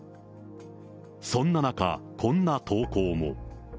そんな中、こんな投稿も。